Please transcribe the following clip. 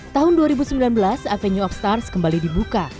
tahun dua ribu sembilan belas venue of stars kembali dibuka